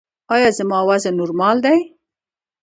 ایا زما وزن نورمال دی؟